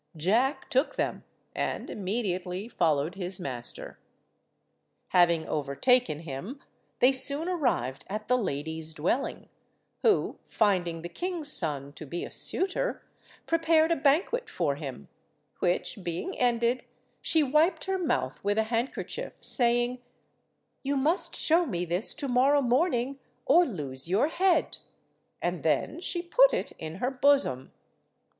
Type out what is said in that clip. Jack took them, and immediately followed his master. Having overtaken him, they soon arrived at the lady's dwelling, who, finding the king's son to be a suitor, prepared a banquet for him, which being ended, she wiped her mouth with a handkerchief, saying—"You must show me this to–morrow morning, or lose your head," and then she put it in her bosom.